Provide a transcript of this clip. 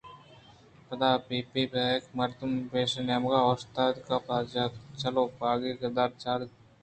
پدا پیپی پاد اتکءُمردکءِ پشتی نیمگءَ اوشتات ءُپہ چلوپگی کاگداں چارءُتپاس ءَ لگ اِت